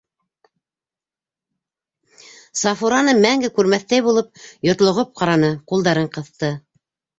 Сафураны мәңге күрмәҫтәй булып йотлоғоп ҡараны, ҡулдарын ҡыҫты.